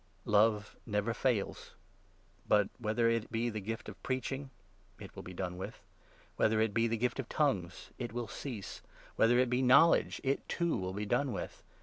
Love never 8 fails. But, whether it be the gift of preaching, it will be done with ; whether it be the gift of ' tongues,' it will cease ; whether it be knowledge, it, too, will be done with.